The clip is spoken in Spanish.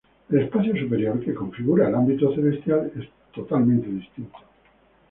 El espacio superior, que configura el ámbito celestial, es totalmente distinto.